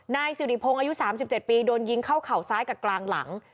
นายสิริพงศ์อายุ๓๗ปีโดนยิงเข้าเข่าซ้ายกับกลางหลัง